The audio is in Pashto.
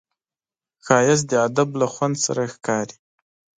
ښایست د ادب له خوند سره ښکاري